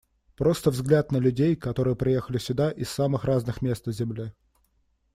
Просто взгляд на людей, которые приехали сюда из самых разных мест на земле.